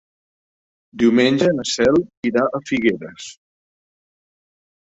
Diumenge na Cel irà a Figueres.